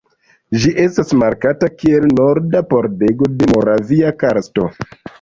Ĝi estas markata kiel "Norda pordego de Moravia karsto".